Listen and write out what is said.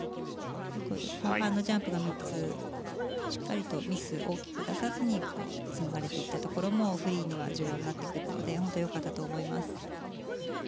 後半のジャンプが３つしっかりとミスを大きく出さずに紡がれていったところもフリーには重要になってくるので本当によかったと思います。